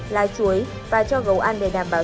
lai chuối và cho gấu ăn để đảm bảo